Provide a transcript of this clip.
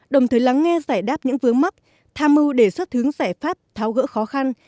đồng thời lắng nghe giải đáp những vướng mắt tham mưu đề xuất hướng giải pháp tháo gỡ khó khăn